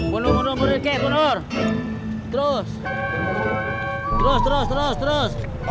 muncul muncul ke turun terus terus terus terus terus